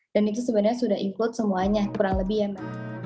dan itu sebenarnya sudah include semuanya kurang lebih ya